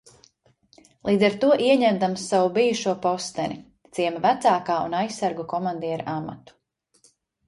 Līdz ar to ieņemdams savu bijušo posteni, ciema vecākā un aizsargu komandiera amatu.